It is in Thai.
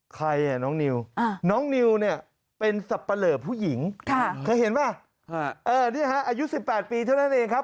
ใครอ่ะน้องนิวน้องนิวเนี่ยเป็นสับปะเหลอผู้หญิงเคยเห็นป่ะนี่ฮะอายุ๑๘ปีเท่านั้นเองครับ